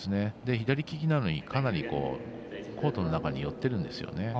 左利きなのにかなり、コートの中に寄っているんですよね。